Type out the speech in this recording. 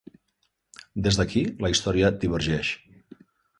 Des d'aquí, la història divergeix.